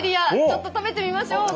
ちょっと食べてみましょう。